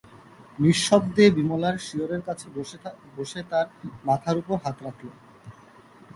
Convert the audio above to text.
নিঃশব্দে বিমলার শিয়রের কাছে বসে তার মাথার উপর হাত রাখলুম।